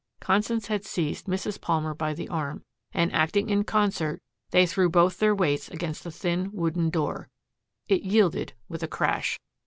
Constance had seized Mrs. Palmer by the arm, and, acting in concert, they threw both their weights against the thin wooden door. It yielded with a crash.